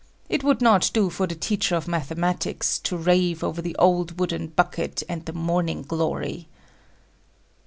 It would not do for the teacher of mathematics to rave over the old wooden bucket and the morning glory.